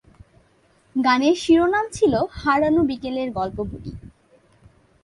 গানের শিরোনাম ছিলো ‘হারানো বিকেলের গল্প বলি’।